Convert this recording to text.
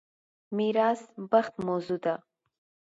میراث بخت موضوع ده.